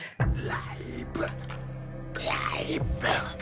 ライブライブが。